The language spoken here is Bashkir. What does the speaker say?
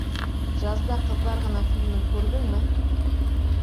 «Джазда ҡыҙҙар ғына» фильмын күрҙеңме?